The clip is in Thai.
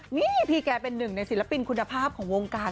นี่พี่แกเป็นหนึ่งในศิลปินคุณภาพของวงการ